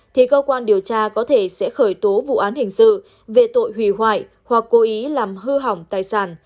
thì cơ quan điều tra có thể sẽ khởi tố vụ án hình sự về tội hủy hoại hoặc cố ý làm hư hỏng tài sản